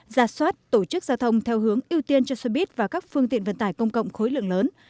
ra soát tổ chức giao thông theo hướng ưu tiên cho xe buýt và các phương tiện vận tải công cộng khối lượng lớn